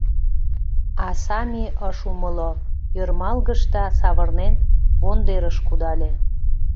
А Сами ыш умыло, ӧрмалгыш да, савырнен, вондерыш кудале.